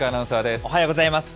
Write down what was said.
おはようございます。